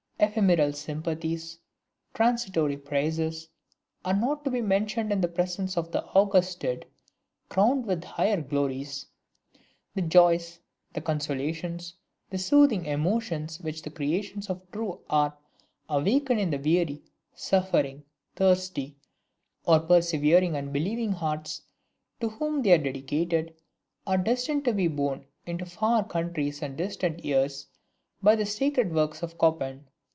Ephemeral sympathies, transitory praises, are not to be mentioned in the presence of the august Dead, crowned with higher glories. The joys, the consolations, the soothing emotions which the creations of true art awaken in the weary, suffering, thirsty, or persevering and believing hearts to whom they are dedicated, are destined to be borne into far countries and distant years, by the sacred works of Chopin.